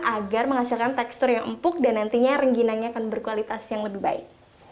agar menghasilkan tekstur yang empuk dan nantinya rengginangnya akan berkualitas yang lebih baik